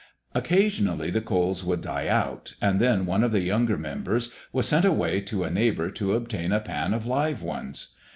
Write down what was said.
Occasionally the coals would die out and then one of the younger members was sent away to a neighbour to obtain a pan of live ones.